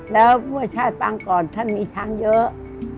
และปังก่อนเมืองชาติมีช้างเยอะ